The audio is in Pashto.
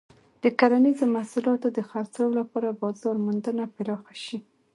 د کرنیزو محصولاتو د خرڅلاو لپاره بازار موندنه پراخه شي.